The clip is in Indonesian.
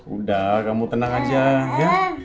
udah kamu tenang aja ya